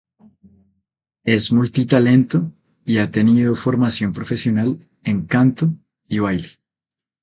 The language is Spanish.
Es multi-talento y ha tenido formación profesional en canto y baile.